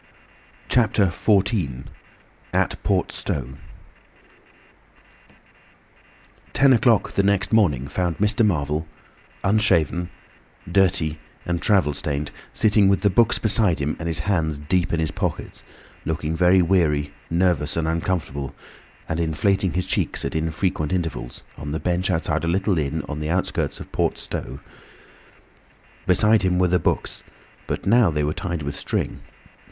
CHAPTER XIV. AT PORT STOWE Ten o'clock the next morning found Mr. Marvel, unshaven, dirty, and travel stained, sitting with the books beside him and his hands deep in his pockets, looking very weary, nervous, and uncomfortable, and inflating his cheeks at infrequent intervals, on the bench outside a little inn on the outskirts of Port Stowe. Beside him were the books, but now they were tied with string.